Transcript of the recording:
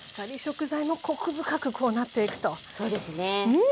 うん！